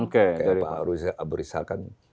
kayak pak arusah abu rissa kan